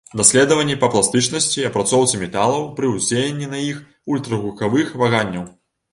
Даследаванні па пластычнасці і апрацоўцы металаў пры ўздзеянні на іх ультрагукавых ваганняў.